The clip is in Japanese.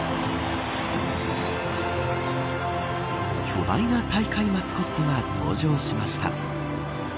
巨大な大会マスコットが登場しました。